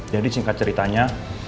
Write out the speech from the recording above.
jadi singkat ceritanya